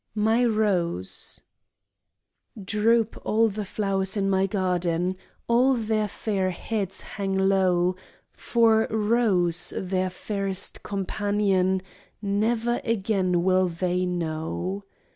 72 MY ROSE Droop all the flowers in my garden, All their fair heads hang low, For rose, their fairest companion Never again will they know.